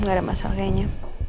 ga ada masalah kayaknya